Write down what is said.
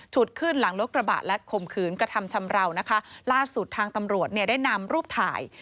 ขึ้นหลังรถกระบะและข่มขืนกระทำชำราวนะคะล่าสุดทางตำรวจเนี่ยได้นำรูปถ่าย